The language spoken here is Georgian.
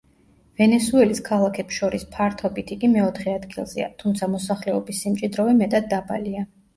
ვენესუელის ქალაქებს შორის ფართობით იგი მეოთხე ადგილზეა, თუმცა მოსახლეობის სიმჭიდროვე მეტად დაბალია.